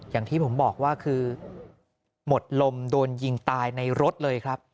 อย่างที่ผมบอกว่าคือหมดลมโดนยิงตายในรถเลยครับ